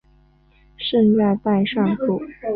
圣让代尚普。